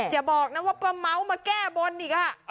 อย่าบอกนะว่าป้าเม้ามาแก้บนอีก